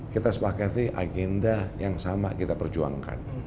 kita sepakati agenda yang sama kita perjuangkan